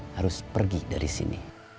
harus pergi dari sini